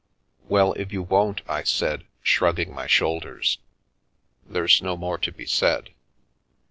" Well, if you won't," I said, shrugging my shoulders, " there's no more to be said.